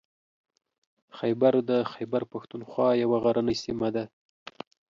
خیبر د خیبر پښتونخوا یوه غرنۍ سیمه ده.